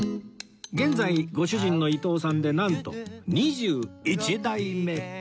現在ご主人の伊藤さんでなんと２１代目